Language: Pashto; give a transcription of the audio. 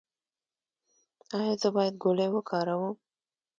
ایا زه باید ګولۍ وکاروم؟